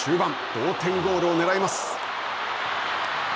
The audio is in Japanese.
同点ゴールをねらいます。